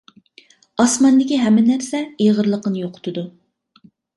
ئاسماندىكى ھەممە نەرسە ئېغىرلىقىنى يوقىتىدۇ.